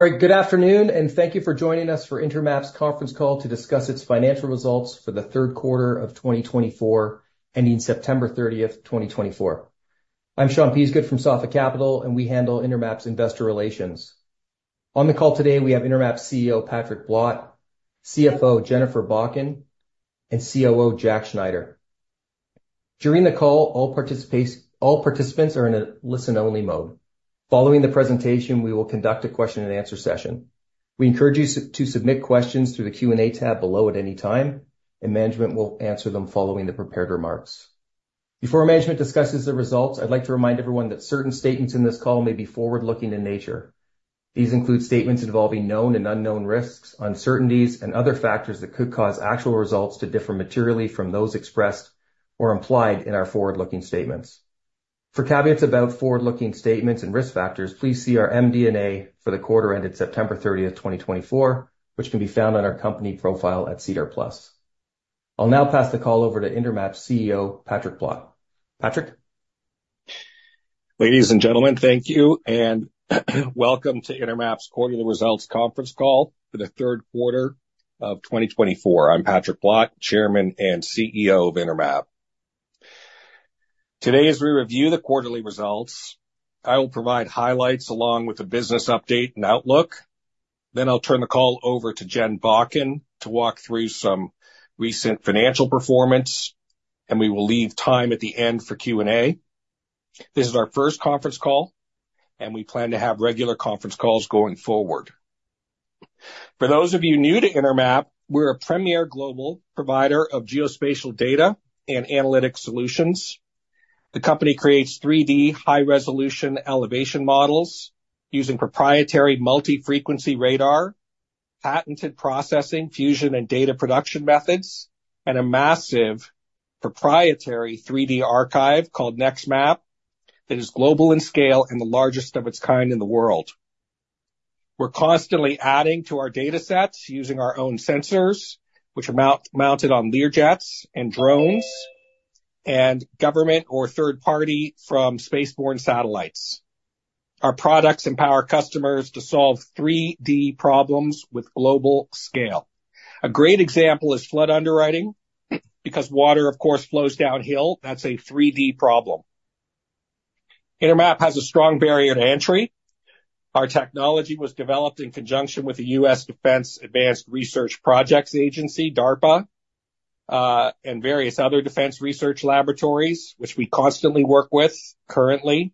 All right, good afternoon, and thank you for joining us for Intermap's conference call to discuss its financial results for the third quarter of 2024, ending September 30, 2024. I'm Sean Peasgood from Sophic Capital, and we handle Intermap's investor relations. On the call today, we have Intermap's CEO, Patrick Blott, CFO, Jennifer Bakken, and COO, Jack Schneider. During the call, all participants are in a listen-only mode. Following the presentation, we will conduct a question-and-answer session. We encourage you to submit questions through the Q&A tab below at any time, and management will answer them following the prepared remarks. Before management discusses the results, I'd like to remind everyone that certain statements in this call may be forward-looking in nature. These include statements involving known and unknown risks, uncertainties, and other factors that could cause actual results to differ materially from those expressed or implied in our forward-looking statements. For caveats about forward-looking statements and risk factors, please see our MD&A for the quarter ended September 30, 2024, which can be found on our company profile at SEDAR+. I'll now pass the call over to Intermap's CEO, Patrick Blott. Patrick? Ladies and gentlemen, thank you, and welcome to Intermap's quarterly results conference call for the third quarter of 2024. I'm Patrick Blott, Chairman and CEO of Intermap. Today, as we review the quarterly results, I will provide highlights along with a business update and outlook. Then I'll turn the call over to Jen Bakken to walk through some recent financial performance, and we will leave time at the end for Q&A. This is our first conference call, and we plan to have regular conference calls going forward. For those of you new to Intermap, we're a premier global provider of geospatial data and analytic solutions. The company creates 3D high-resolution elevation models using proprietary multi-frequency radar, patented processing, fusion, and data production methods, and a massive proprietary 3D archive called NEXTMap that is global in scale and the largest of its kind in the world. We're constantly adding to our data sets using our own sensors, which are mounted on Learjets and drones, and government or third-party from space-borne satellites. Our products empower customers to solve 3D problems with global scale. A great example is flood underwriting because water, of course, flows downhill. That's a 3D problem. Intermap has a strong barrier to entry. Our technology was developed in conjunction with the U.S. Defense Advanced Research Projects Agency, DARPA, and various other defense research laboratories, which we constantly work with currently.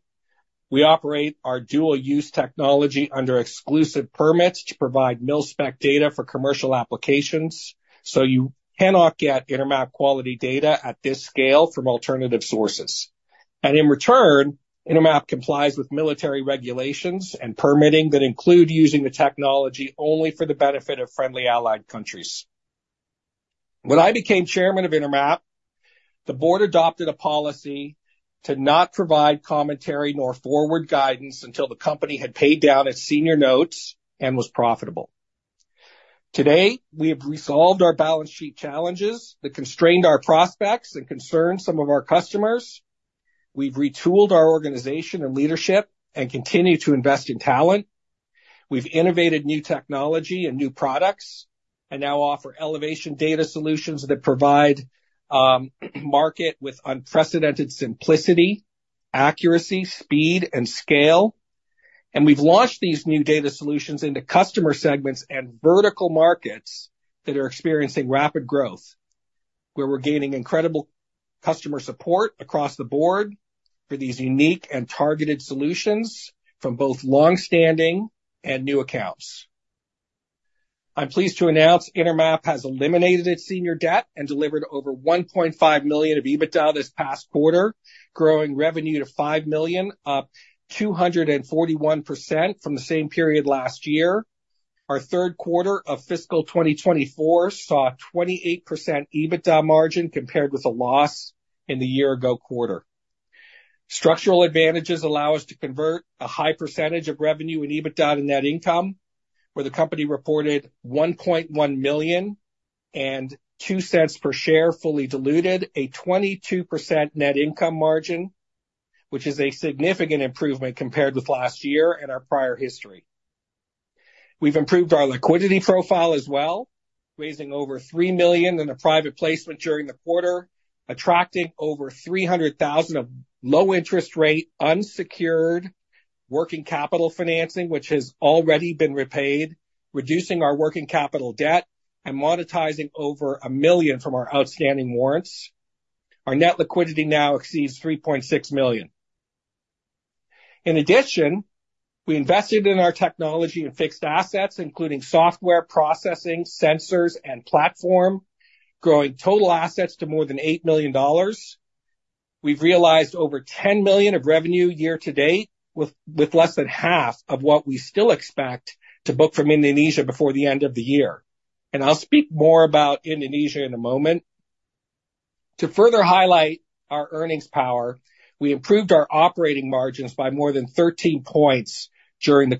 We operate our dual-use technology under exclusive permits to provide mil-spec data for commercial applications, so you cannot get Intermap quality data at this scale from alternative sources. And in return, Intermap complies with military regulations and permitting that include using the technology only for the benefit of friendly allied countries. When I became chairman of Intermap, the board adopted a policy to not provide commentary nor forward guidance until the company had paid down its senior notes and was profitable. Today, we have resolved our balance sheet challenges that constrained our prospects and concerned some of our customers. We've retooled our organization and leadership and continue to invest in talent. We've innovated new technology and new products and now offer elevation data solutions that provide market with unprecedented simplicity, accuracy, speed, and scale, and we've launched these new data solutions into customer segments and vertical markets that are experiencing rapid growth, where we're gaining incredible customer support across the board for these unique and targeted solutions from both long-standing and new accounts. I'm pleased to announce Intermap has eliminated its senior debt and delivered over $1.5 million of EBITDA this past quarter, growing revenue to $5 million, up 241% from the same period last year. Our third quarter of fiscal 2024 saw a 28% EBITDA margin compared with a loss in the year-ago quarter. Structural advantages allow us to convert a high percentage of revenue and EBITDA to net income, where the company reported $1.1 million and $0.02 per share fully diluted, a 22% net income margin, which is a significant improvement compared with last year and our prior history. We've improved our liquidity profile as well, raising over $3 million in a private placement during the quarter, attracting over $300,000 of low-interest rate, unsecured working capital financing, which has already been repaid, reducing our working capital debt and monetizing over $1 million from our outstanding warrants. Our net liquidity now exceeds $3.6 million. In addition, we invested in our technology and fixed assets, including software, processing, sensors, and platform, growing total assets to more than $8 million. We've realized over $10 million of revenue year to date with less than half of what we still expect to book from Indonesia before the end of the year. And I'll speak more about Indonesia in a moment. To further highlight our earnings power, we improved our operating margins by more than 13 points during the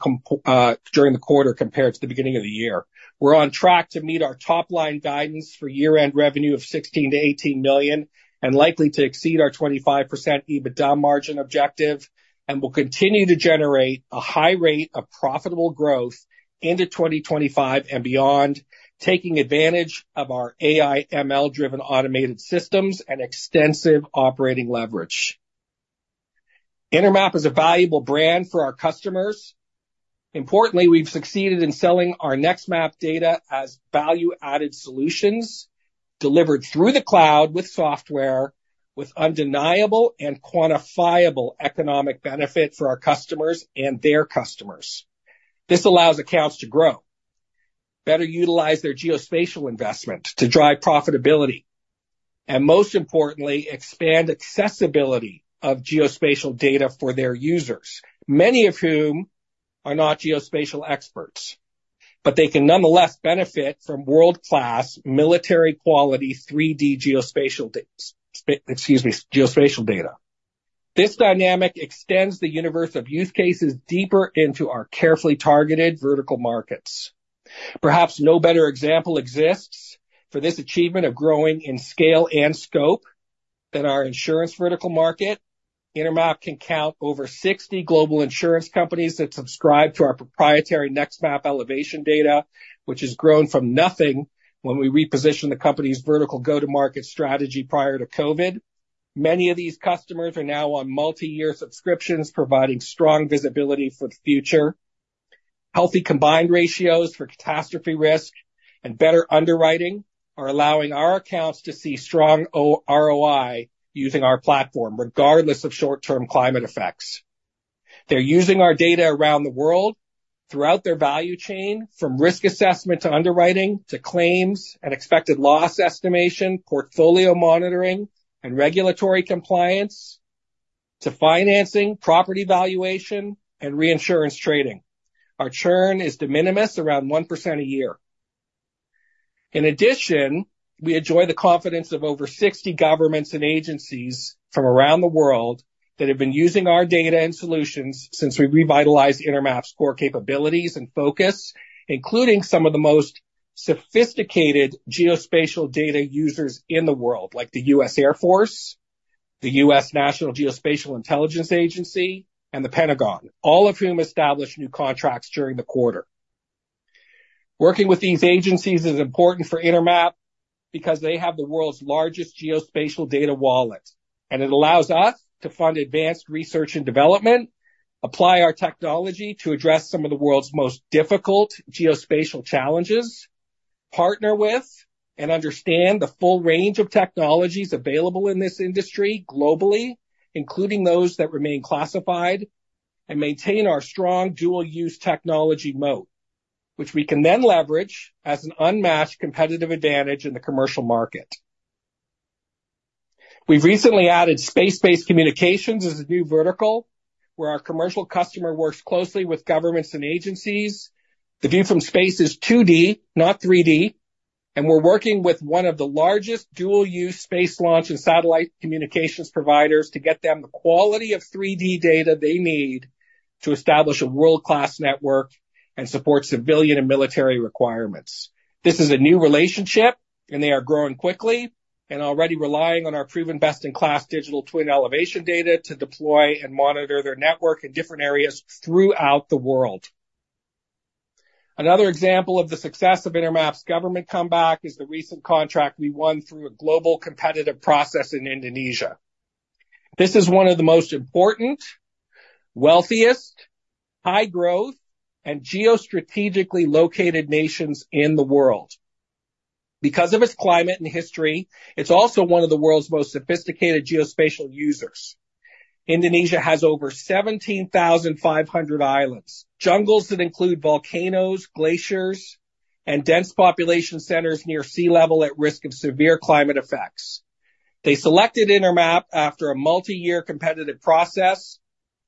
quarter compared to the beginning of the year. We're on track to meet our top-line guidance for year-end revenue of $16 million-$18 million and likely to exceed our 25% EBITDA margin objective, and we'll continue to generate a high rate of profitable growth into 2025 and beyond, taking advantage of our AI/ML-driven automated systems and extensive operating leverage. Intermap is a valuable brand for our customers. Importantly, we've succeeded in selling our NEXTMap data as value-added solutions delivered through the cloud with software, with undeniable and quantifiable economic benefit for our customers and their customers. This allows accounts to grow, better utilize their geospatial investment to drive profitability, and most importantly, expand accessibility of geospatial data for their users, many of whom are not geospatial experts, but they can nonetheless benefit from world-class, military-quality 3D geospatial data. This dynamic extends the universe of use cases deeper into our carefully targeted vertical markets. Perhaps no better example exists for this achievement of growing in scale and scope than our insurance vertical market. Intermap can count over 60 global insurance companies that subscribe to our proprietary NEXTMap elevation data, which has grown from nothing when we repositioned the company's vertical go-to-market strategy prior to COVID. Many of these customers are now on multi-year subscriptions, providing strong visibility for the future. Healthy combined ratios for catastrophe risk and better underwriting are allowing our accounts to see strong ROI using our platform, regardless of short-term climate effects. They're using our data around the world throughout their value chain, from risk assessment to underwriting to claims and expected loss estimation, portfolio monitoring and regulatory compliance to financing, property valuation, and reinsurance trading. Our churn is de minimis around 1% a year. In addition, we enjoy the confidence of over 60 governments and agencies from around the world that have been using our data and solutions since we revitalized Intermap's core capabilities and focus, including some of the most sophisticated geospatial data users in the world, like the U.S. Air Force, the U.S. National Geospatial-Intelligence Agency, and the Pentagon, all of whom established new contracts during the quarter. Working with these agencies is important for Intermap because they have the world's largest geospatial data wallet, and it allows us to fund advanced research and development, apply our technology to address some of the world's most difficult geospatial challenges, partner with and understand the full range of technologies available in this industry globally, including those that remain classified, and maintain our strong dual-use technology moat, which we can then leverage as an unmatched competitive advantage in the commercial market. We've recently added space-based communications as a new vertical where our commercial customer works closely with governments and agencies. The view from space is 2D, not 3D, and we're working with one of the largest dual-use space launch and satellite communications providers to get them the quality of 3D data they need to establish a world-class network and support civilian and military requirements. This is a new relationship, and they are growing quickly and already relying on our proven best-in-class digital twin elevation data to deploy and monitor their network in different areas throughout the world. Another example of the success of Intermap's government comeback is the recent contract we won through a global competitive process in Indonesia. This is one of the most important, wealthiest, high-growth, and geostrategically located nations in the world. Because of its climate and history, it's also one of the world's most sophisticated geospatial users. Indonesia has over 17,500 islands, jungles that include volcanoes, glaciers, and dense population centers near sea level at risk of severe climate effects. They selected Intermap after a multi-year competitive process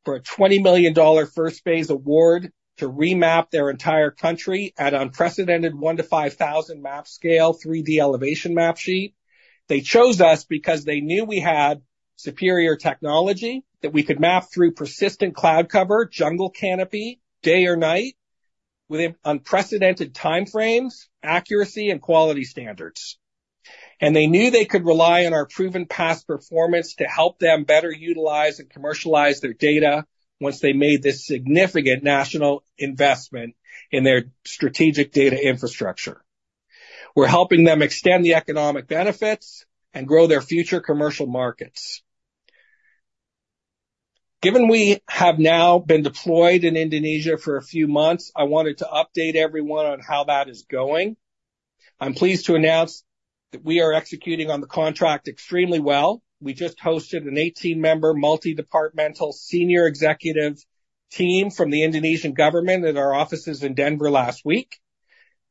for a $20 million first phase award to remap their entire country at unprecedented 1:5,000 map scale 3D elevation map sheet. They chose us because they knew we had superior technology that we could map through persistent cloud cover, jungle canopy, day or night, with unprecedented timeframes, accuracy, and quality standards, and they knew they could rely on our proven past performance to help them better utilize and commercialize their data once they made this significant national investment in their strategic data infrastructure. We're helping them extend the economic benefits and grow their future commercial markets. Given we have now been deployed in Indonesia for a few months, I wanted to update everyone on how that is going. I'm pleased to announce that we are executing on the contract extremely well. We just hosted an 18-member multi-departmental senior executive team from the Indonesian government at our offices in Denver last week.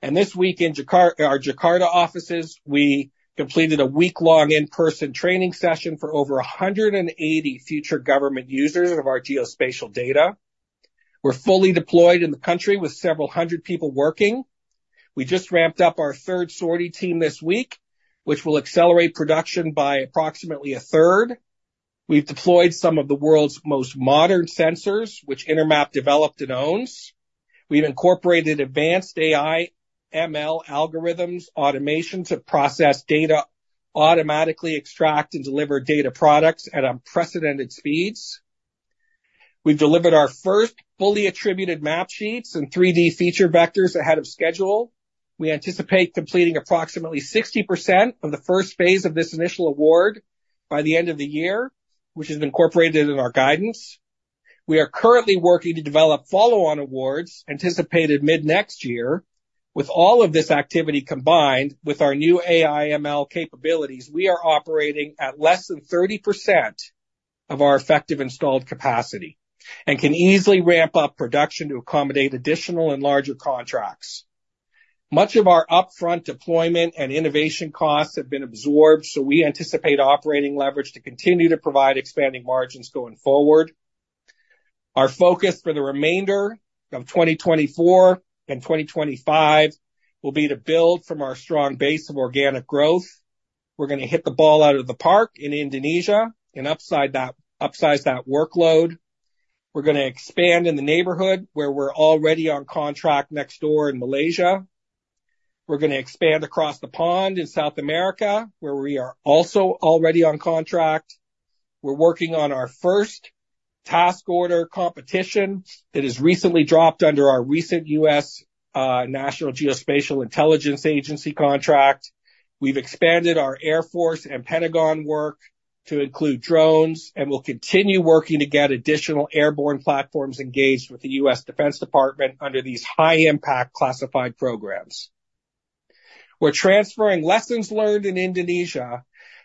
This week in our Jakarta offices, we completed a week-long in-person training session for over 180 future government users of our geospatial data. We're fully deployed in the country with several hundred people working. We just ramped up our third sortie team this week, which will accelerate production by approximately a third. We've deployed some of the world's most modern sensors, which Intermap developed and owns. We've incorporated advanced AI/ML algorithms, automation to process data, automatically extract and deliver data products at unprecedented speeds. We've delivered our first fully attributed map sheets and 3D feature vectors ahead of schedule. We anticipate completing approximately 60% of the first phase of this initial award by the end of the year, which is incorporated in our guidance. We are currently working to develop follow-on awards anticipated mid-next year. With all of this activity combined with our new AI/ML capabilities, we are operating at less than 30% of our effective installed capacity and can easily ramp up production to accommodate additional and larger contracts. Much of our upfront deployment and innovation costs have been absorbed, so we anticipate operating leverage to continue to provide expanding margins going forward. Our focus for the remainder of 2024 and 2025 will be to build from our strong base of organic growth. We're going to hit the ball out of the park in Indonesia and upsize that workload. We're going to expand in the neighborhood where we're already on contract next door in Malaysia. We're going to expand across the pond in South America where we are also already on contract. We're working on our first task order competition that has recently dropped under our recent U.S. National Geospatial-Intelligence Agency contract. We've expanded our Air Force and Pentagon work to include drones and will continue working to get additional airborne platforms engaged with the U.S. Department of Defense under these high-impact classified programs. We're transferring lessons learned in Indonesia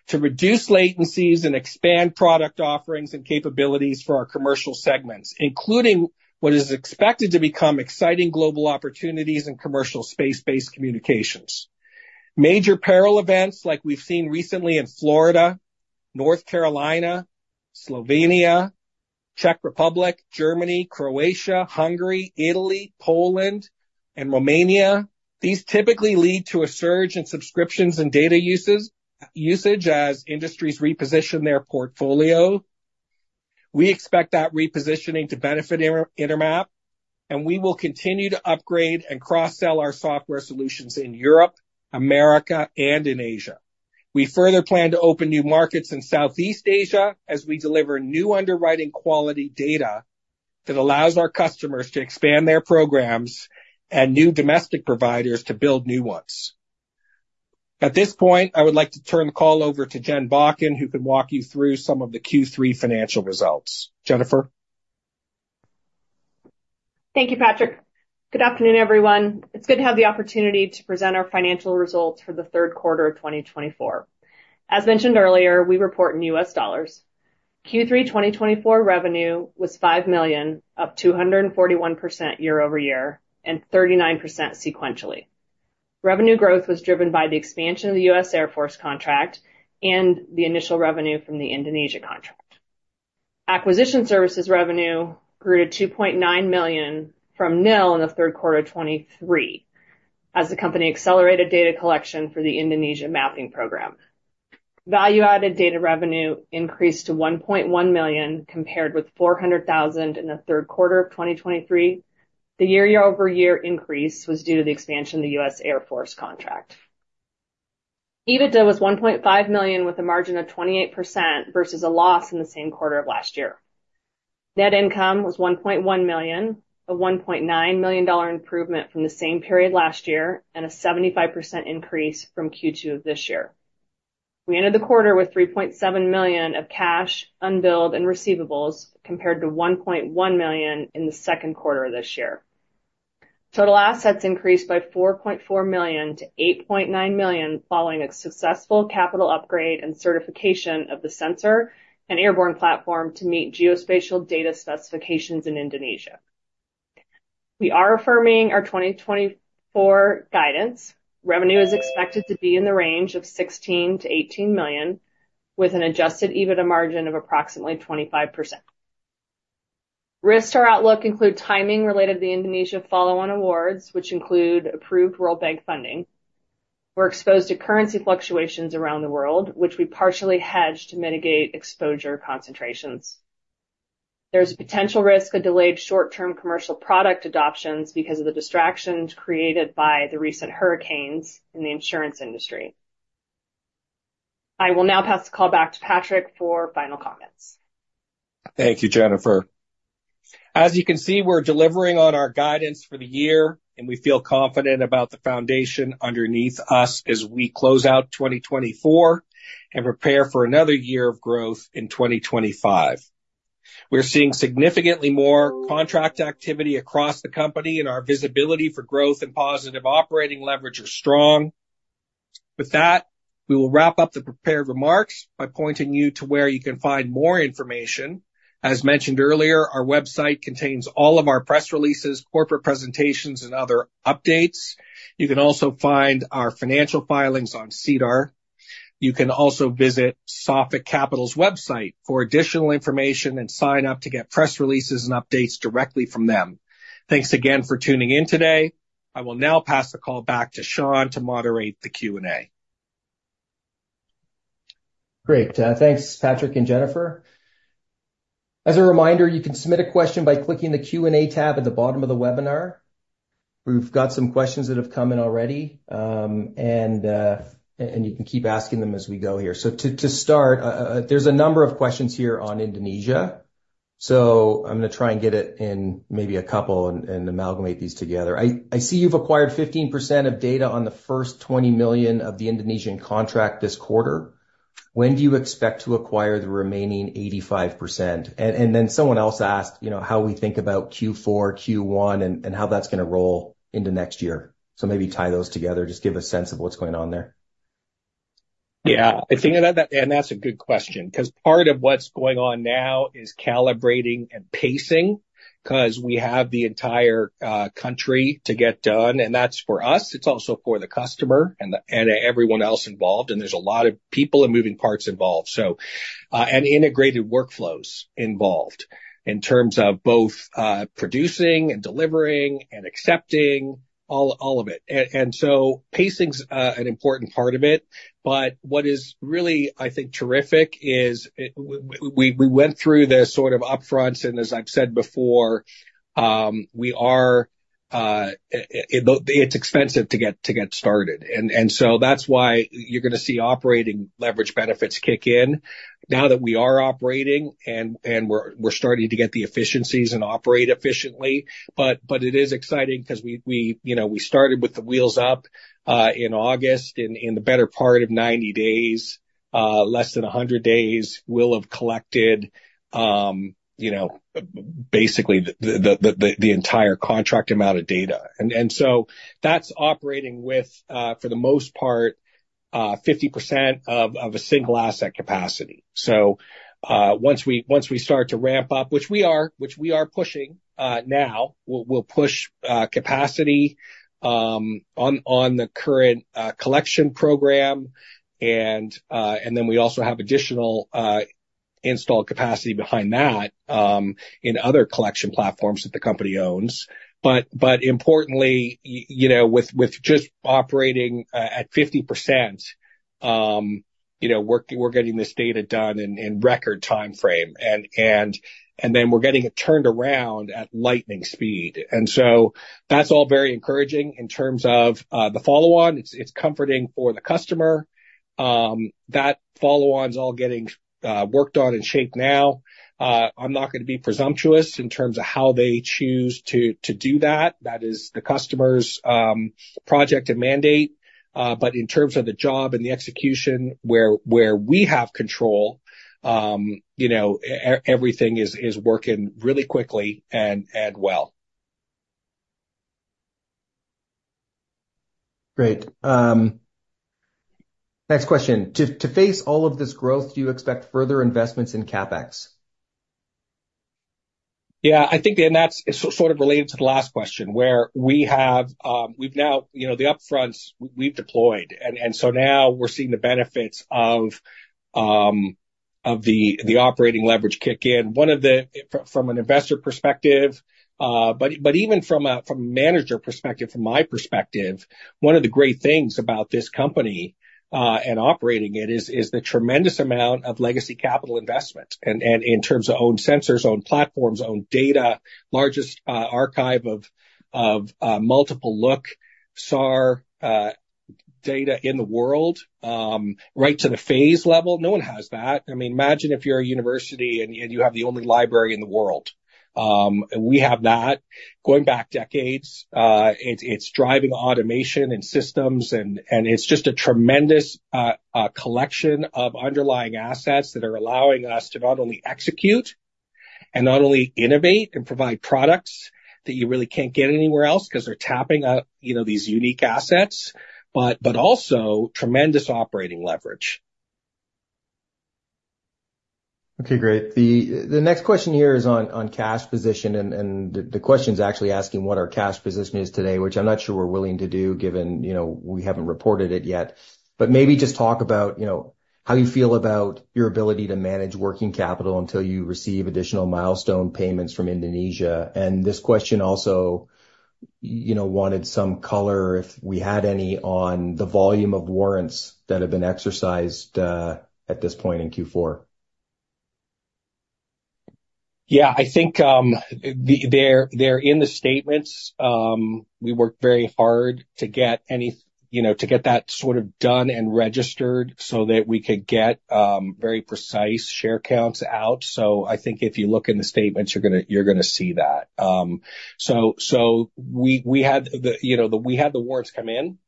to reduce latencies and expand product offerings and capabilities for our commercial segments, including what is expected to become exciting global opportunities in commercial space-based communications. Major peril events like we've seen recently in Florida, North Carolina, Slovenia, Czech Republic, Germany, Croatia, Hungary, Italy, Poland, and Romania. These typically lead to a surge in subscriptions and data usage as industries reposition their portfolio. We expect that repositioning to benefit Intermap, and we will continue to upgrade and cross-sell our software solutions in Europe, America, and in Asia. We further plan to open new markets in Southeast Asia as we deliver new underwriting quality data that allows our customers to expand their programs and new domestic providers to build new ones. At this point, I would like to turn the call over to Jen Bakken, who can walk you through some of the Q3 financial results. Jennifer? Thank you, Patrick. Good afternoon, everyone. It's good to have the opportunity to present our financial results for the third quarter of 2024. As mentioned earlier, we report in U.S. dollars. Q3 2024 revenue was $5 million, up 241% year-over-year and 39% sequentially. Revenue growth was driven by the expansion of the U.S. Air Force contract and the initial revenue from the Indonesia contract. Acquisition services revenue grew to $2.9 million from nil in the third quarter of 2023 as the company accelerated data collection for the Indonesia mapping program. Value-added data revenue increased to $1.1 million compared with $400,000 in the third quarter of 2023. The year-over-year increase was due to the expansion of the U.S. Air Force contract. EBITDA was $1.5 million with a margin of 28% versus a loss in the same quarter of last year. Net income was $1.1 million, a $1.9 million improvement from the same period last year, and a 75% increase from Q2 of this year. We ended the quarter with $3.7 million of cash, unbilled, and receivables compared to $1.1 million in the second quarter of this year. Total assets increased by $4.4 million to $8.9 million following a successful capital upgrade and certification of the sensor and airborne platform to meet geospatial data specifications in Indonesia. We are affirming our 2024 guidance. Revenue is expected to be in the range of $16 million-$18 million with an adjusted EBITDA margin of approximately 25%. Risks or outlook include timing related to the Indonesia follow-on awards, which include approved World Bank funding. We're exposed to currency fluctuations around the world, which we partially hedged to mitigate exposure concentrations. There's a potential risk of delayed short-term commercial product adoptions because of the distractions created by the recent hurricanes in the insurance industry. I will now pass the call back to Patrick for final comments. Thank you, Jennifer. As you can see, we're delivering on our guidance for the year, and we feel confident about the foundation underneath us as we close out 2024 and prepare for another year of growth in 2025. We're seeing significantly more contract activity across the company, and our visibility for growth and positive operating leverage are strong. With that, we will wrap up the prepared remarks by pointing you to where you can find more information. As mentioned earlier, our website contains all of our press releases, corporate presentations, and other updates. You can also find our financial filings on SEDAR. You can also visit Sophic Capital's website for additional information and sign up to get press releases and updates directly from them. Thanks again for tuning in today. I will now pass the call back to Sean to moderate the Q&A. Great. Thanks, Patrick and Jennifer. As a reminder, you can submit a question by clicking the Q&A tab at the bottom of the webinar. We've got some questions that have come in already, and you can keep asking them as we go here. So to start, there's a number of questions here on Indonesia. So I'm going to try and get it in maybe a couple and amalgamate these together. I see you've acquired 15% of data on the first 20 million of the Indonesian contract this quarter. When do you expect to acquire the remaining 85%? And then someone else asked how we think about Q4, Q1, and how that's going to roll into next year. So maybe tie those together, just give a sense of what's going on there. Yeah, I think that that's a good question because part of what's going on now is calibrating and pacing because we have the entire country to get done. And that's for us. It's also for the customer and everyone else involved. And there's a lot of people and moving parts involved and integrated workflows involved in terms of both producing and delivering and accepting all of it. And so pacing's an important part of it. But what is really, I think, terrific is we went through the sort of upfronts. And as I've said before, it's expensive to get started. And so that's why you're going to see operating leverage benefits kick in now that we are operating and we're starting to get the efficiencies and operate efficiently. But it is exciting because we started with the wheels up in August. In the better part of 90 days, less than 100 days, we'll have collected basically the entire contract amount of data, and so that's operating with, for the most part, 50% of a single asset capacity, so once we start to ramp up, which we are pushing now, we'll push capacity on the current collection program, and then we also have additional installed capacity behind that in other collection platforms that the company owns, but importantly, with just operating at 50%, we're getting this data done in record timeframe, and then we're getting it turned around at lightning speed, and so that's all very encouraging in terms of the follow-on. It's comforting for the customer. That follow-on is all getting worked on and shaped now. I'm not going to be presumptuous in terms of how they choose to do that. That is the customer's project and mandate. But in terms of the job and the execution where we have control, everything is working really quickly and well. Great. Next question. To face all of this growth, do you expect further investments in CapEx? Yeah, I think that's sort of related to the last question where we have the upfronts we've deployed. And so now we're seeing the benefits of the operating leverage kick in from an investor perspective. But even from a manager perspective, from my perspective, one of the great things about this company and operating it is the tremendous amount of legacy capital investment in terms of owned sensors, owned platforms, owned data, largest archive of multiple look SAR data in the world right to the phase level. No one has that. I mean, imagine if you're a university and you have the only library in the world. We have that. Going back decades, it's driving automation and systems. And it's just a tremendous collection of underlying assets that are allowing us to not only execute and not only innovate and provide products that you really can't get anywhere else because they're tapping these unique assets, but also tremendous operating leverage. Okay, great. The next question here is on cash position. And the question's actually asking what our cash position is today, which I'm not sure we're willing to do given we haven't reported it yet. But maybe just talk about how you feel about your ability to manage working capital until you receive additional milestone payments from Indonesia. And this question also wanted some color, if we had any, on the volume of warrants that have been exercised at this point in Q4. Yeah, I think they're in the statements. We worked very hard to get that sort of done and registered so that we could get very precise share counts out, so I think if you look in the statements, you're going to see that, so we had the warrants come in,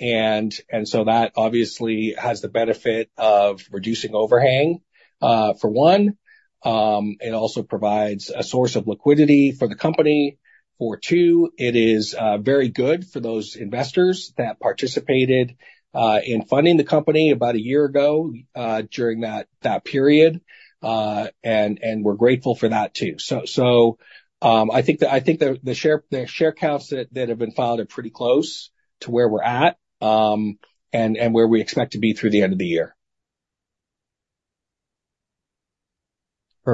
and so that obviously has the benefit of reducing overhang, for one. It also provides a source of liquidity for the company. For two, it is very good for those investors that participated in funding the company about a year ago during that period. And we're grateful for that too, so I think the share counts that have been filed are pretty close to where we're at and where we expect to be through the end of the year.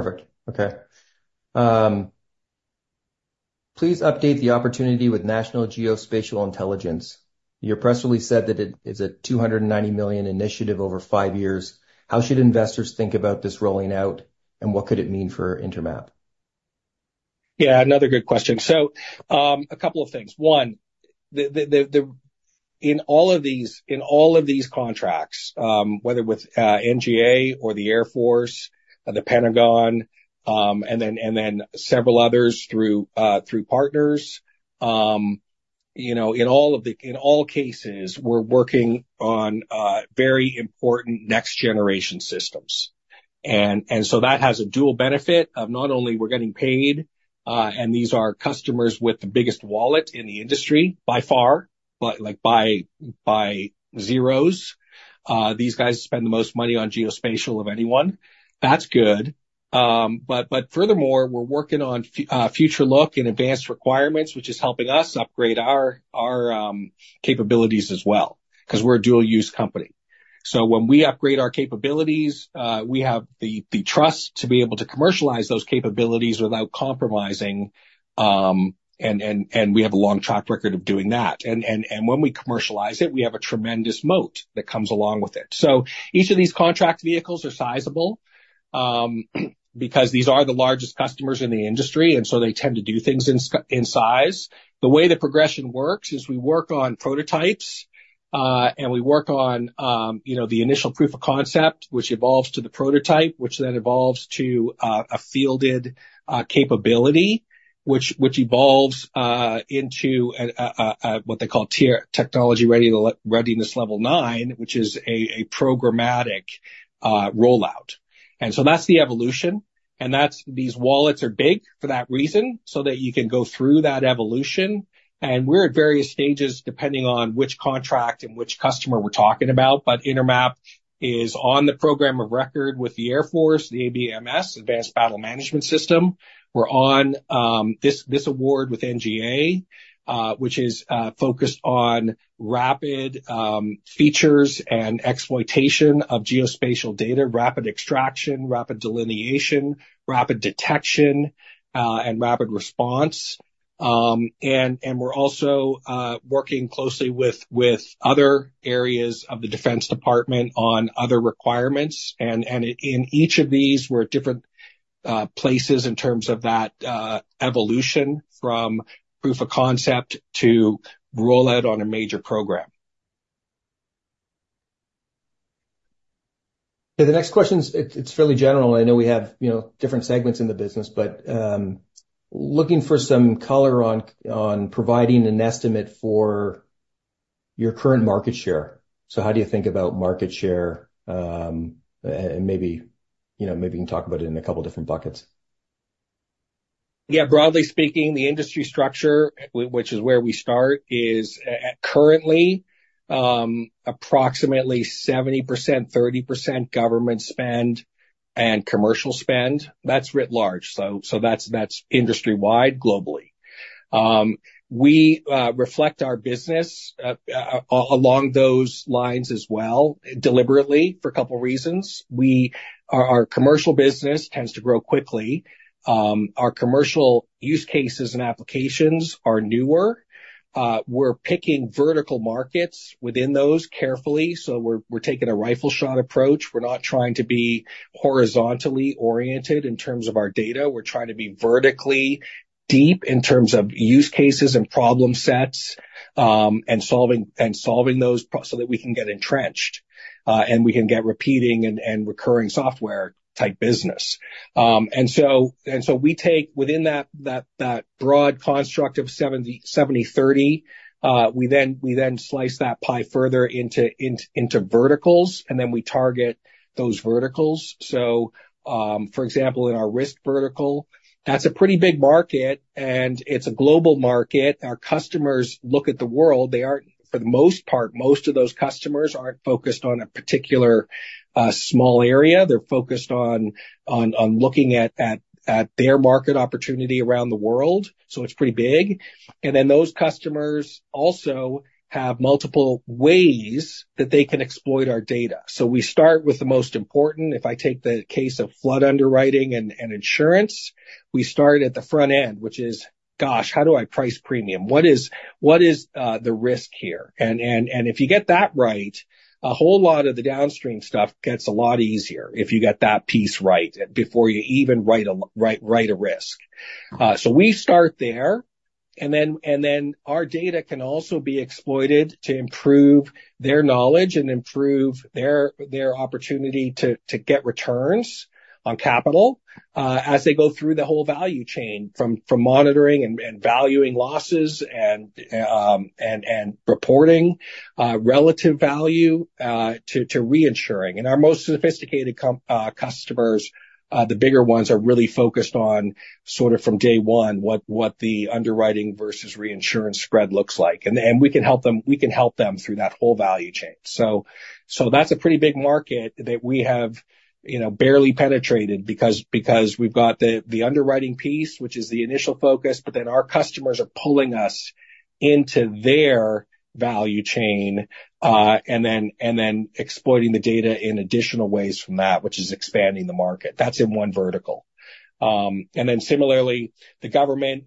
Perfect. Okay. Please update the opportunity with National Geospatial-Intelligence. Your press release said that it is a $290 million initiative over five years. How should investors think about this rolling out, and what could it mean for Intermap? Yeah, another good question. So a couple of things. One, in all of these contracts, whether with NGA or the Air Force, the Pentagon, and then several others through partners, in all cases, we're working on very important next-generation systems. And so that has a dual benefit of not only we're getting paid, and these are customers with the biggest wallet in the industry by far, but by zeros. These guys spend the most money on geospatial of anyone. That's good. But furthermore, we're working on future look and advanced requirements, which is helping us upgrade our capabilities as well because we're a dual-use company. So when we upgrade our capabilities, we have the trust to be able to commercialize those capabilities without compromising. And we have a long track record of doing that. And when we commercialize it, we have a tremendous moat that comes along with it. So each of these contract vehicles are sizable because these are the largest customers in the industry, and so they tend to do things in size. The way the progression works is we work on prototypes, and we work on the initial proof of concept, which evolves to the prototype, which then evolves to a fielded capability, which evolves into what they call Technology Readiness Level 9, which is a programmatic rollout. And so that's the evolution. And these wallets are big for that reason so that you can go through that evolution. And we're at various stages depending on which contract and which customer we're talking about. But Intermap is on the Program of ecord with the Air Force, the ABMS, Advanced Battle Management System. We're on this award with NGA, which is focused on rapid features and exploitation of geospatial data, rapid extraction, rapid delineation, rapid detection, and rapid response, and we're also working closely with other areas of the Defense Department on other requirements, and in each of these, we're at different places in terms of that evolution from proof of concept to rollout on a major program. Okay, the next question's fairly general. I know we have different segments in the business, but looking for some color on providing an estimate for your current market share. So how do you think about market share, and maybe you can talk about it in a couple of different buckets. Yeah, broadly speaking, the industry structure, which is where we start, is currently approximately 70%, 30% government spend and commercial spend. That's writ large, so that's industry-wide globally. We reflect our business along those lines as well deliberately for a couple of reasons. Our commercial business tends to grow quickly. Our commercial use cases and applications are newer. We're picking vertical markets within those carefully. So we're taking a rifle shot approach. We're not trying to be horizontally oriented in terms of our data. We're trying to be vertically deep in terms of use cases and problem sets and solving those so that we can get entrenched and we can get repeating and recurring software-type business. And so we take within that broad construct of 70/30, we then slice that pie further into verticals, and then we target those verticals. So for example, in our risk vertical, that's a pretty big market, and it's a global market. Our customers look at the world. For the most part, most of those customers aren't focused on a particular small area. They're focused on looking at their market opportunity around the world. So it's pretty big. And then those customers also have multiple ways that they can exploit our data. So we start with the most important. If I take the case of flood underwriting and insurance, we start at the front end, which is, gosh, how do I price premium? What is the risk here? And if you get that right, a whole lot of the downstream stuff gets a lot easier if you get that piece right before you even write a risk. So we start there. And then our data can also be exploited to improve their knowledge and improve their opportunity to get returns on capital as they go through the whole value chain from monitoring and valuing losses and reporting relative value to reinsuring. And our most sophisticated customers, the bigger ones, are really focused on sort of from day one what the underwriting versus reinsurance spread looks like. And we can help them through that whole value chain. So that's a pretty big market that we have barely penetrated because we've got the underwriting piece, which is the initial focus, but then our customers are pulling us into their value chain and then exploiting the data in additional ways from that, which is expanding the market. That's in one vertical. And then similarly, the government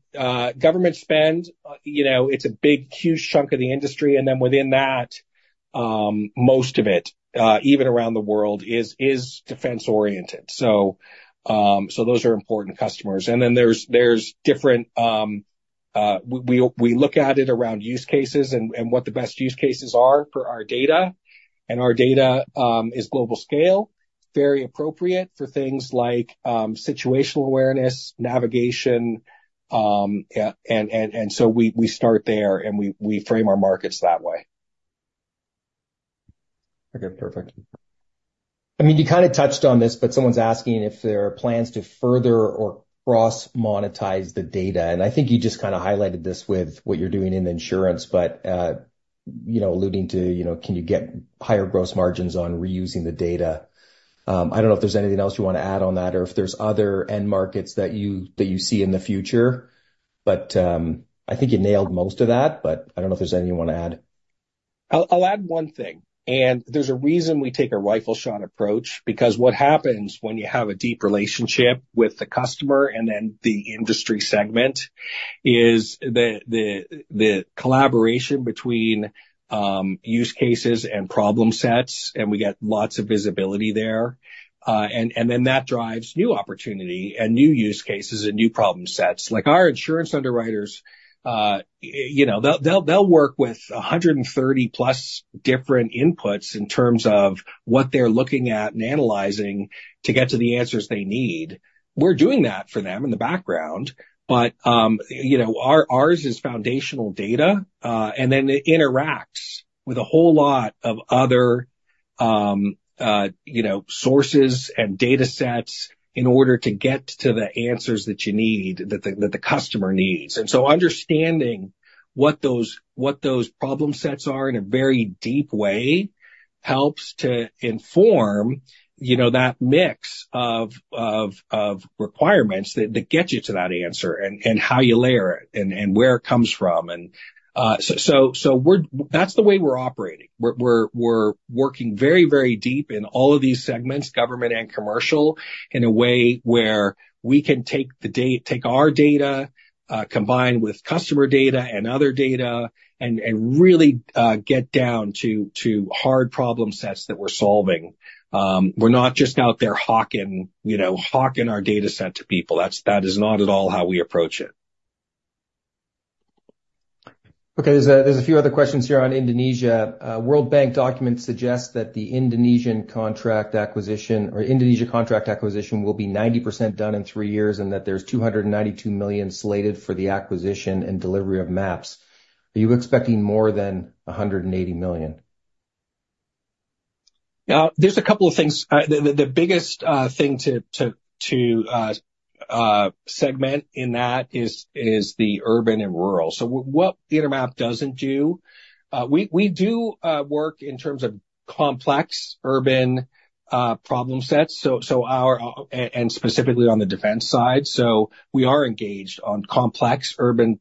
spend, it's a big, huge chunk of the industry. And then within that, most of it, even around the world, is defense-oriented. So those are important customers. And then there's different we look at it around use cases and what the best use cases are for our data. Our data is global scale, very appropriate for things like situational awareness, navigation. So we start there, and we frame our markets that way. Okay, perfect. I mean, you kind of touched on this, but someone's asking if there are plans to further or cross-monetize the data. And I think you just kind of highlighted this with what you're doing in insurance, but alluding to can you get higher gross margins on reusing the data. I don't know if there's anything else you want to add on that or if there's other end markets that you see in the future. But I think you nailed most of that, but I don't know if there's anything you want to add. I'll add one thing. And there's a reason we take a rifle shot approach because what happens when you have a deep relationship with the customer and then the industry segment is the collaboration between use cases and problem sets, and we get lots of visibility there. And then that drives new opportunity and new use cases and new problem sets. Our insurance underwriters, they'll work with 130-plus different inputs in terms of what they're looking at and analyzing to get to the answers they need. We're doing that for them in the background. But ours is foundational data, and then it interacts with a whole lot of other sources and data sets in order to get to the answers that you need, that the customer needs. Understanding what those problem sets are in a very deep way helps to inform that mix of requirements that get you to that answer and how you layer it and where it comes from. And so that's the way we're operating. We're working very, very deep in all of these segments, government and commercial, in a way where we can take our data combined with customer data and other data and really get down to hard problem sets that we're solving. We're not just out there hawking our data set to people. That is not at all how we approach it. Okay, there's a few other questions here on Indonesia. World Bank documents suggest that the Indonesian contract acquisition or Indonesia contract acquisition will be 90% done in three years and that there's $292 million slated for the acquisition and delivery of maps. Are you expecting more than 180 million? There's a couple of things. The biggest thing to segment in that is the urban and rural. So what Intermap doesn't do, we do work in terms of complex urban problem sets, and specifically on the defense side. So we are engaged on complex urban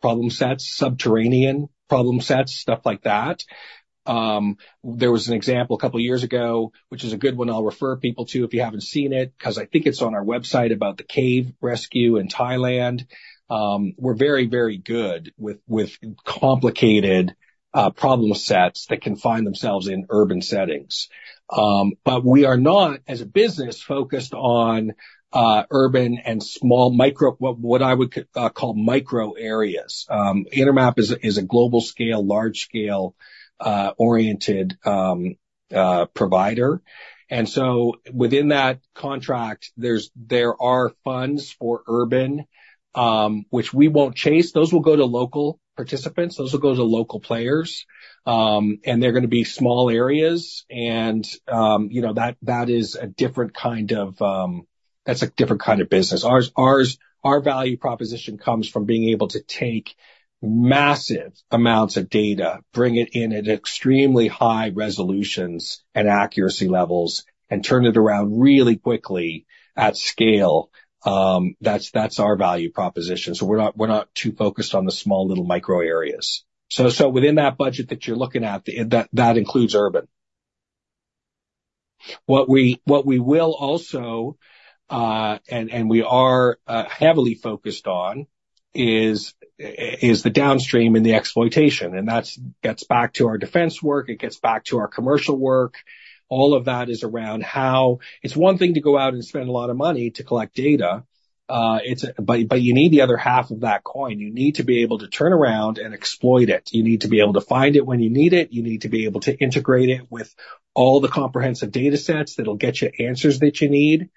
problem sets, subterranean problem sets, stuff like that. There was an example a couple of years ago, which is a good one I'll refer people to if you haven't seen it because I think it's on our website about the cave rescue in Thailand. We're very, very good with complicated problem sets that can find themselves in urban settings. But we are not, as a business, focused on urban and small, what I would call micro areas. Intermap is a global scale, large-scale oriented provider. And so within that contract, there are funds for urban, which we won't chase. Those will go to local participants. Those will go to local players. And they're going to be small areas. And that is a different kind of business. Our value proposition comes from being able to take massive amounts of data, bring it in at extremely high resolutions and accuracy levels, and turn it around really quickly at scale. That's our value proposition. So we're not too focused on the small little micro areas. So within that budget that you're looking at, that includes urban. What we will also, and we are heavily focused on, is the downstream and the exploitation. And that gets back to our defense work. It gets back to our commercial work. All of that is around how it's one thing to go out and spend a lot of money to collect data, but you need the other half of that coin. You need to be able to turn around and exploit it. You need to be able to find it when you need it. You need to be able to integrate it with all the comprehensive data sets that'll get you answers that you need.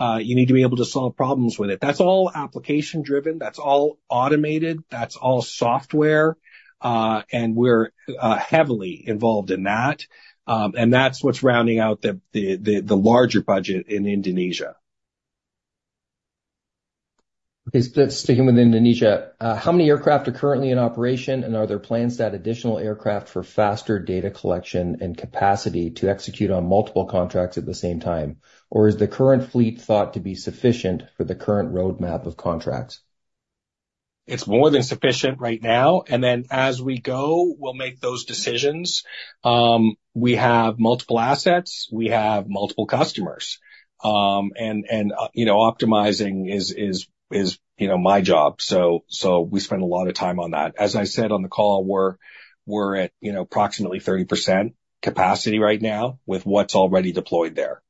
You need to be able to solve problems with it. That's all application-driven. That's all automated. That's all software. And we're heavily involved in that. And that's what's rounding out the larger budget in Indonesia. Okay, sticking with Indonesia, how many aircraft are currently in operation, and are there plans to add additional aircraft for faster data collection and capacity to execute on multiple contracts at the same time? Or is the current fleet thought to be sufficient for the current roadmap of contracts? It's more than sufficient right now. And then as we go, we'll make those decisions. We have multiple assets. We have multiple customers. And optimizing is my job. So we spend a lot of time on that. As I said on the call, we're at approximately 30% capacity right now with what's already deployed there.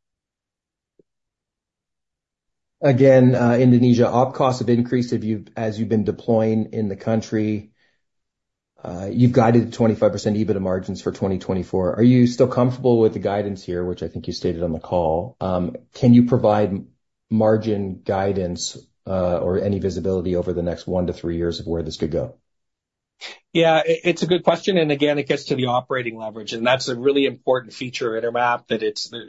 Again, Indonesia, op costs have increased as you've been deploying in the country. You've guided 25% EBITDA margins for 2024. Are you still comfortable with the guidance here, which I think you stated on the call? Can you provide margin guidance or any visibility over the next one to three years of where this could go? Yeah, it's a good question. And again, it gets to the operating leverage. That's a really important feature of Intermap that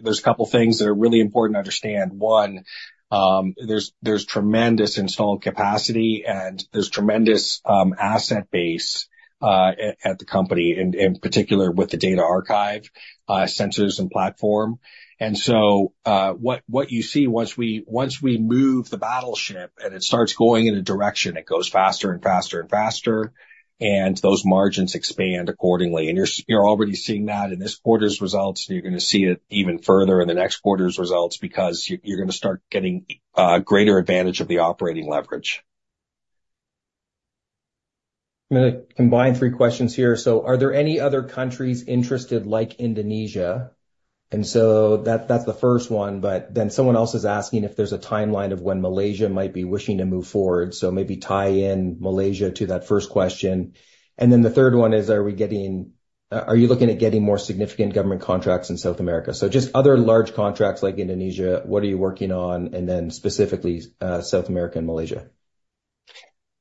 there's a couple of things that are really important to understand. One, there's tremendous installed capacity, and there's tremendous asset base at the company, in particular with the data archive, sensors, and platform. So what you see once we move the battleship and it starts going in a direction, it goes faster and faster and faster, and those margins expand accordingly. You're already seeing that in this quarter's results, and you're going to see it even further in the next quarter's results because you're going to start getting greater advantage of the operating leverage. I'm going to combine three questions here. Are there any other countries interested like Indonesia? That's the first one. Someone else is asking if there's a timeline of when Malaysia might be wishing to move forward. So maybe tie in Malaysia to that first question. And then the third one is, are you looking at getting more significant government contracts in South America? So just other large contracts like Indonesia, what are you working on? And then specifically South America and Malaysia.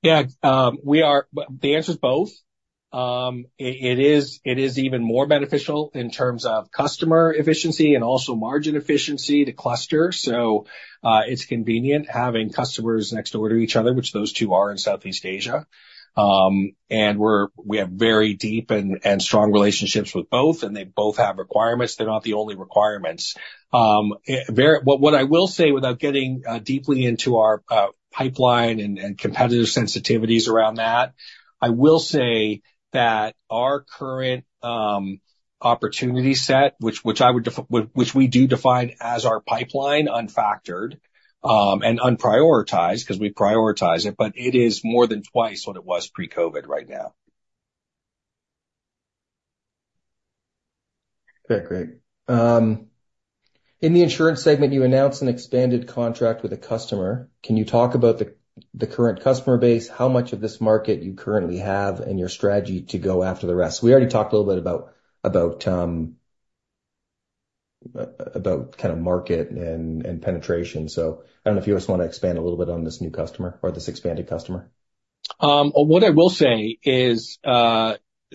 Yeah, the answer is both. It is even more beneficial in terms of customer efficiency and also margin efficiency to cluster. So it's convenient having customers next door to each other, which those two are in Southeast Asia. And we have very deep and strong relationships with both, and they both have requirements. They're not the only requirements. What I will say without getting deeply into our pipeline and competitive sensitivities around that, I will say that our current opportunity set, which we do define as our pipeline, unfactored and unprioritized because we prioritize it, but it is more than twice what it was pre-COVID right now. Okay, great. In the insurance segment, you announced an expanded contract with a customer. Can you talk about the current customer base, how much of this market you currently have, and your strategy to go after the rest? We already talked a little bit about kind of market and penetration. So I don't know if you just want to expand a little bit on this new customer or this expanded customer. What I will say is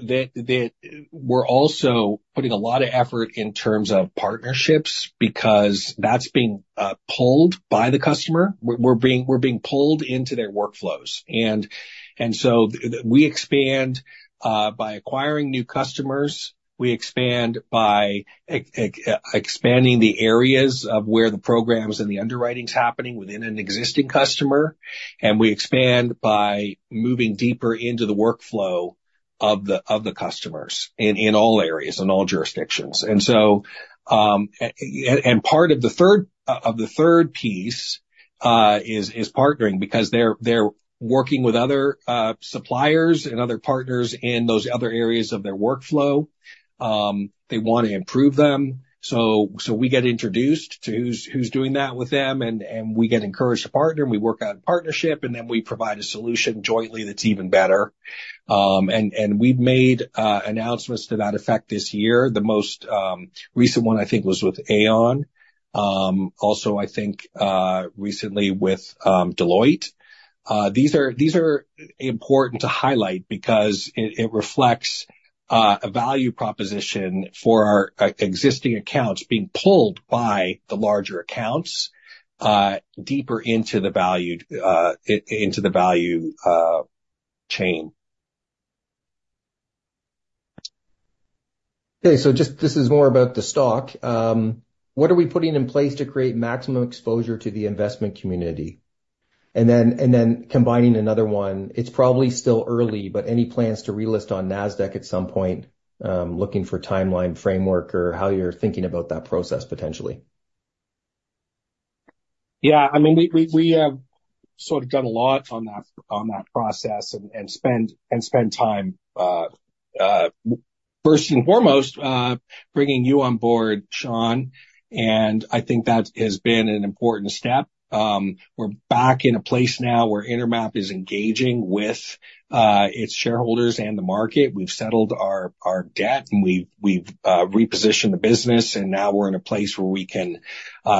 that we're also putting a lot of effort in terms of partnerships because that's being pulled by the customer. We're being pulled into their workflows. And so we expand by acquiring new customers. We expand by expanding the areas of where the programs and the underwriting is happening within an existing customer. And we expand by moving deeper into the workflow of the customers in all areas and all jurisdictions. And part of the third piece is partnering because they're working with other suppliers and other partners in those other areas of their workflow. They want to improve them. So we get introduced to who's doing that with them, and we get encouraged to partner, and we work on partnership, and then we provide a solution jointly that's even better. And we've made announcements to that effect this year. The most recent one, I think, was with Aon. Also, I think recently with Deloitte. These are important to highlight because it reflects a value proposition for our existing accounts being pulled by the larger accounts deeper into the value chain. Okay, so this is more about the stock. What are we putting in place to create maximum exposure to the investment community, and then combining another one, it's probably still early, but any plans to relist on NASDAQ at some point, looking for timeline framework or how you're thinking about that process potentially? Yeah, I mean, we have sort of done a lot on that process and spent time, first and foremost, bringing you on board, Sean, and I think that has been an important step. We're back in a place now where Intermap is engaging with its shareholders and the market. We've settled our debt, and we've repositioned the business, and now we're in a place where we can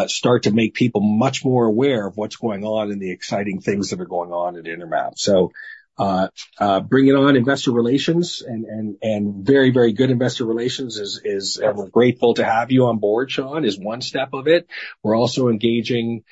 start to make people much more aware of what's going on and the exciting things that are going on at Intermap, so bringing on investor relations and very, very good investor relations, and we're grateful to have you on board, Sean, is one step of it. We're also engaging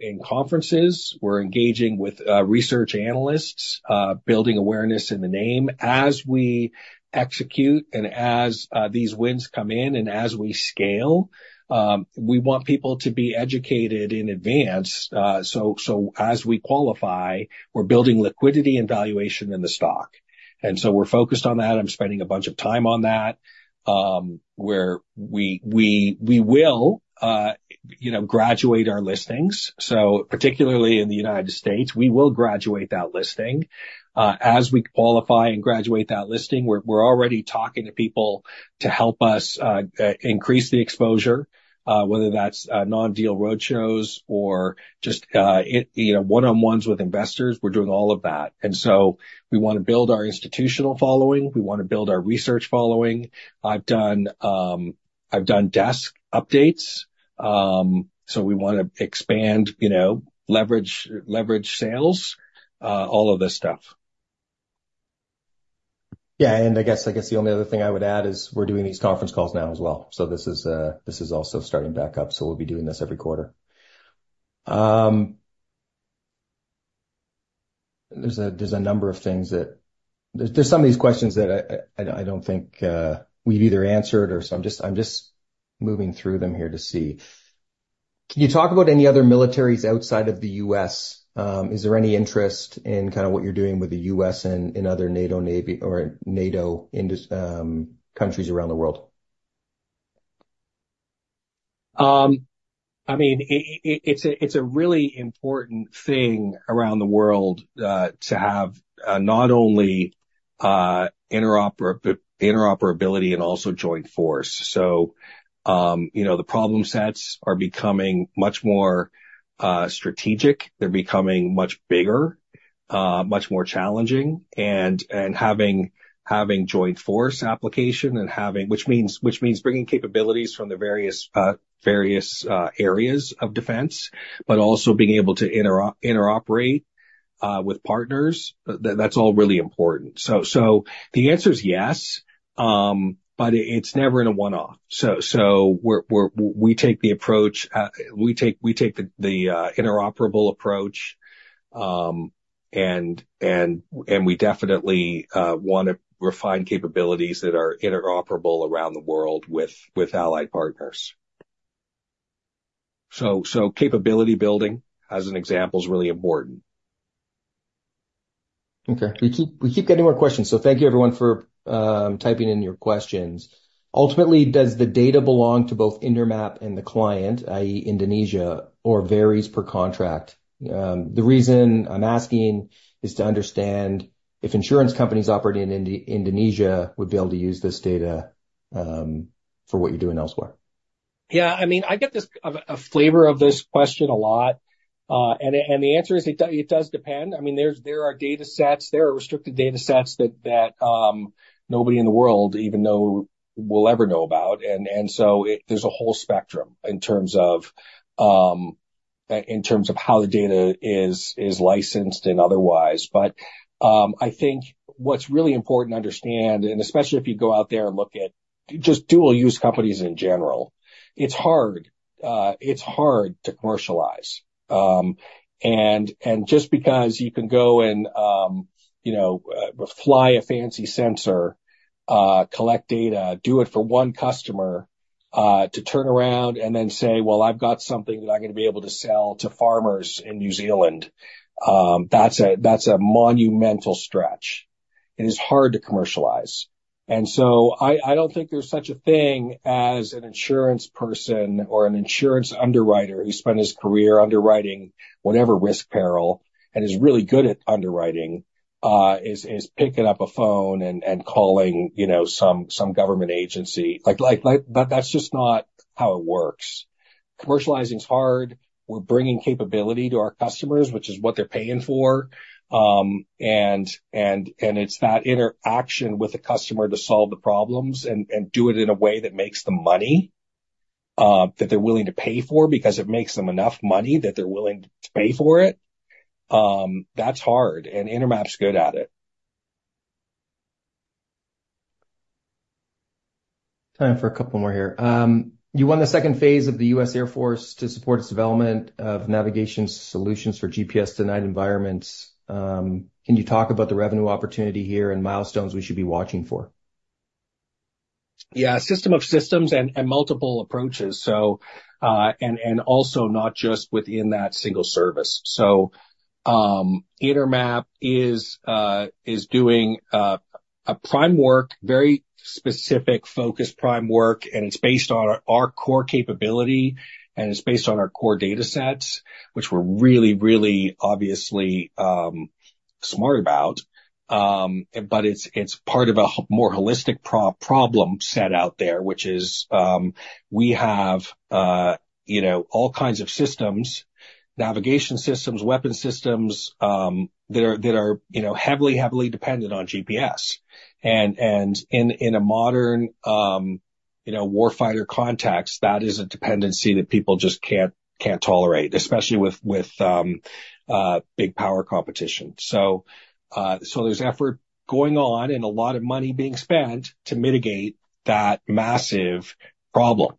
in conferences. We're engaging with research analysts, building awareness in the name as we execute and as these wins come in and as we scale. We want people to be educated in advance, so as we qualify, we're building liquidity and valuation in the stock, and so we're focused on that. I'm spending a bunch of time on that, where we will graduate our listings, so particularly in the United States, we will graduate that listing. As we qualify and graduate that listing, we're already talking to people to help us increase the exposure, whether that's non-deal roadshows or just one-on-ones with investors. We're doing all of that, and so we want to build our institutional following. We want to build our research following. I've done desk updates, so we want to expand, leverage sales, all of this stuff. Yeah, and I guess the only other thing I would add is we're doing these conference calls now as well. So this is also starting back up. So we'll be doing this every quarter. There's a number of things that there's some of these questions that I don't think we've either answered, or so I'm just moving through them here to see. Can you talk about any other militaries outside of the U.S.? Is there any interest in kind of what you're doing with the U.S. and other NATO countries around the world? I mean, it's a really important thing around the world to have not only interoperability and also joint force. So the problem sets are becoming much more strategic. They're becoming much bigger, much more challenging, and having joint force application, which means bringing capabilities from the various areas of defense, but also being able to interoperate with partners. That's all really important. So the answer is yes, but it's never in a one-off. So we take the approach. We take the interoperable approach, and we definitely want to refine capabilities that are interoperable around the world with allied partners. So capability building, as an example, is really important. Okay. We keep getting more questions. So thank you, everyone, for typing in your questions. Ultimately, does the data belong to both Intermap and the client, i.e., Indonesia, or varies per contract? The reason I'm asking is to understand if insurance companies operating in Indonesia would be able to use this data for what you're doing elsewhere. Yeah. I mean, I get a flavor of this question a lot, and the answer is it does depend. I mean, there are data sets. There are restricted data sets that nobody in the world will ever know about, and so there's a whole spectrum in terms of how the data is licensed and otherwise, but I think what's really important to understand, and especially if you go out there and look at just dual-use companies in general, it's hard to commercialize. Just because you can go and fly a fancy sensor, collect data, do it for one customer to turn around and then say, "Well, I've got something that I'm going to be able to sell to farmers in New Zealand," that's a monumental stretch. It is hard to commercialize. So I don't think there's such a thing as an insurance person or an insurance underwriter who spent his career underwriting whatever risk peril and is really good at underwriting is picking up a phone and calling some government agency. That's just not how it works. Commercializing is hard. We're bringing capability to our customers, which is what they're paying for. And it's that interaction with the customer to solve the problems and do it in a way that makes the money that they're willing to pay for because it makes them enough money that they're willing to pay for it. That's hard. And Intermap's good at it. Time for a couple more here. You won the second phase of the U.S. Air Force to support its development of navigation solutions for GPS-denied environments. Can you talk about the revenue opportunity here and milestones we should be watching for? Yeah, system of systems and multiple approaches, and also not just within that single service. So Intermap is doing prime work, very specific focused prime work, and it's based on our core capability, and it's based on our core data sets, which we're really, really obviously smart about. But it's part of a more holistic problem set out there, which is we have all kinds of systems, navigation systems, weapon systems that are heavily, heavily dependent on GPS. And in a modern warfighter context, that is a dependency that people just can't tolerate, especially with big power competition. So there's effort going on and a lot of money being spent to mitigate that massive problem.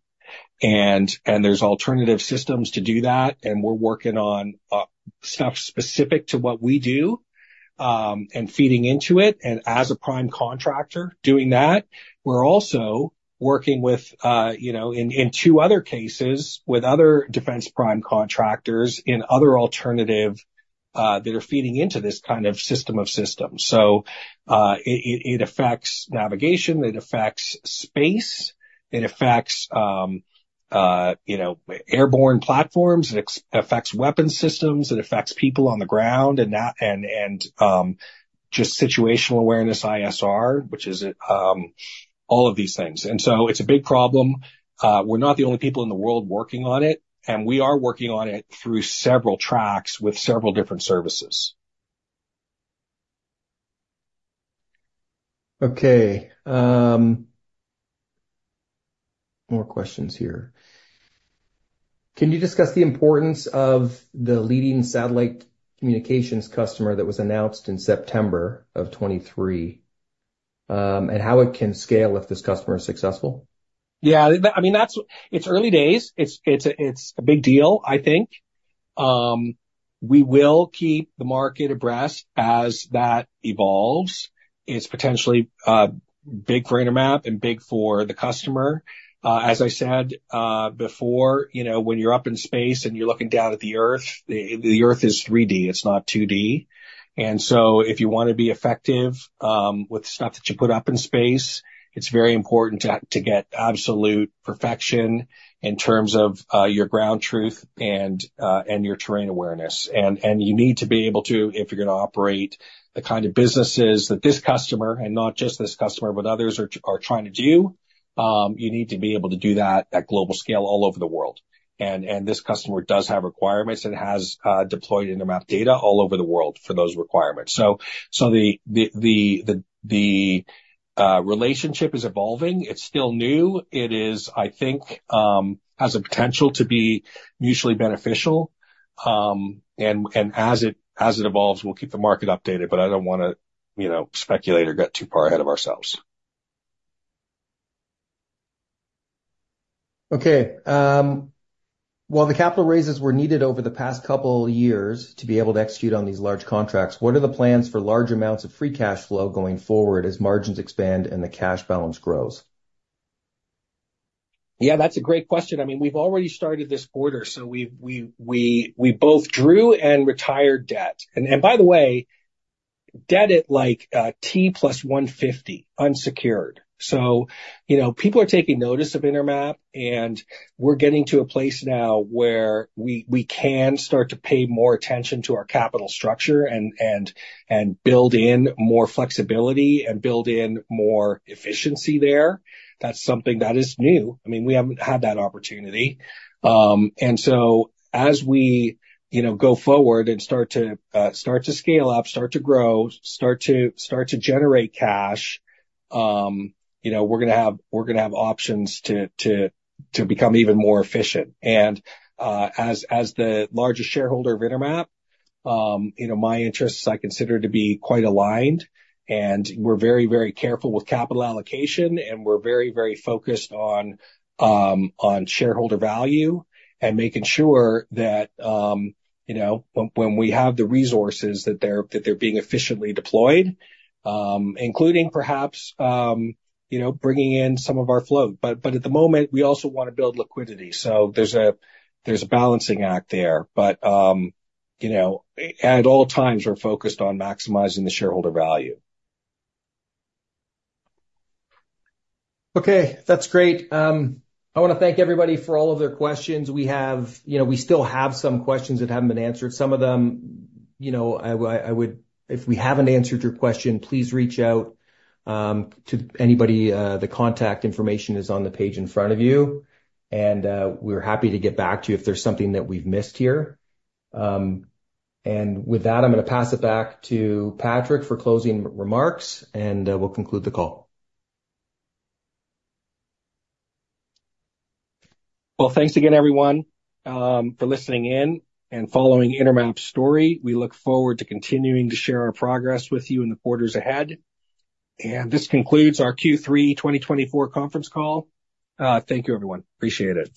And there's alternative systems to do that. And we're working on stuff specific to what we do and feeding into it. And as a prime contractor doing that, we're also working in two other cases with other defense prime contractors in other alternatives that are feeding into this kind of system of systems. So it affects navigation. It affects space. It affects airborne platforms. It affects weapon systems. It affects people on the ground and just situational awareness, ISR, which is all of these things. And so it's a big problem. We're not the only people in the world working on it. And we are working on it through several tracks with several different services. Okay. More questions here. Can you discuss the importance of the leading satellite communications customer that was announced in September of 2023 and how it can scale if this customer is successful? Yeah. I mean, it's early days. It's a big deal, I think. We will keep the market abreast as that evolves. It's potentially big for Intermap and big for the customer. As I said before, when you're up in space and you're looking down at the Earth, the Earth is 3D. It's not 2D. And so if you want to be effective with stuff that you put up in space, it's very important to get absolute perfection in terms of your ground truth and your terrain awareness. And you need to be able to, if you're going to operate the kind of businesses that this customer, and not just this customer, but others are trying to do, you need to be able to do that at global scale all over the world. And this customer does have requirements and has deployed Intermap data all over the world for those requirements. So the relationship is evolving. It's still new. It is, I think, has a potential to be mutually beneficial. And as it evolves, we'll keep the market updated, but I don't want to speculate or get too far ahead of ourselves. Okay. While the capital raises were needed over the past couple of years to be able to execute on these large contracts, what are the plans for large amounts of free cash flow going forward as margins expand and the cash balance grows? Yeah, that's a great question. I mean, we've already started this quarter, so we both drew and retired debt, and by the way, debt at like T + 150, unsecured. So people are taking notice of Intermap, and we're getting to a place now where we can start to pay more attention to our capital structure and build in more flexibility and build in more efficiency there. That's something that is new. I mean, we haven't had that opportunity, and so as we go forward and start to scale up, start to grow, start to generate cash, we're going to have options to become even more efficient. And as the largest shareholder of Intermap, my interests I consider to be quite aligned. And we're very, very careful with capital allocation, and we're very, very focused on shareholder value and making sure that when we have the resources, that they're being efficiently deployed, including perhaps bringing in some of our float. But at the moment, we also want to build liquidity. So there's a balancing act there. But at all times, we're focused on maximizing the shareholder value. Okay. That's great. I want to thank everybody for all of their questions. We still have some questions that haven't been answered. Some of them, if we haven't answered your question, please reach out to anybody. The contact information is on the page in front of you. And we're happy to get back to you if there's something that we've missed here. With that, I'm going to pass it back to Patrick for closing remarks, and we'll conclude the call. Thanks again, everyone, for listening in and following Intermap's story. We look forward to continuing to share our progress with you in the quarters ahead. This concludes our Q3 2024 conference call. Thank you, everyone. Appreciate it.